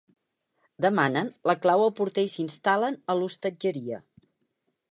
Demanen la clau al porter i s'instal·len a l'hostatgeria.